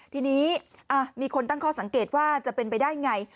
ทีนี้มีคนตั้งข้อสังเกตว่าจะเป็นไปได้ไง